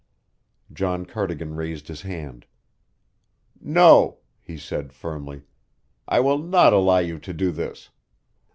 John Cardigan raised his hand. "No," he said firmly, "I will not allow you to do this.